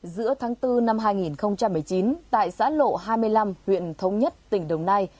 giữa tháng bốn năm hai nghìn một mươi chín tại xã lộ hai mươi năm huyện thống nhất tỉnh đồng nai